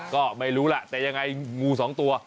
ก็ไม่รู้ล่ะแต่ยังไงงูสองตัว